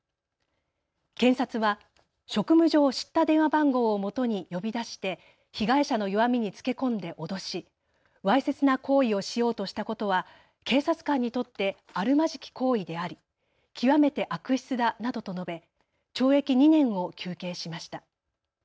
検察は職務上、知った電話番号をもとに呼び出して被害者の弱みにつけ込んで脅し、わいせつな行為をしようとしたことは警察官にとってあるまじき行為であり極めて悪質だなどと述べ懲役２年を求刑しました。